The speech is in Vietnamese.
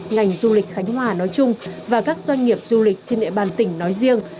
ngành du lịch khánh hòa nói chung và các doanh nghiệp du lịch trên địa bàn tỉnh nói riêng